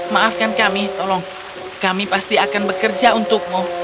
maafkan kami tolong kami pasti akan bekerja untukmu